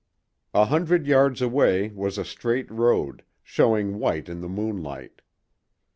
A hundred yards away was a straight road, showing white in the moonlight.